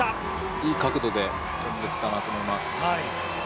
いい角度で飛んでいったなと思います。